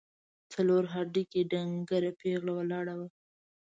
څلور هډوکي، ډنګره پېغله ولاړه وه.